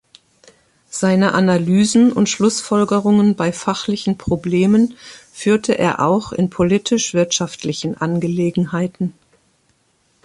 Seine Analysen und Schlussfolgerungen bei fachlichen Problemen führte er auch in politisch-wirtschaftlichen Angelegenheiten.